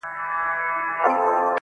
څه پیالې پیالې را ګورې څه نشه نشه ږغېږې,